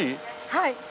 はい。